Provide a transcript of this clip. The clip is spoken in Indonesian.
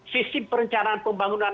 sistem perencanaan pembangunan